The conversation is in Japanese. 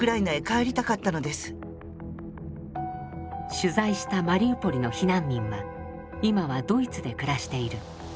取材したマリウポリの避難民は今はドイツで暮らしている。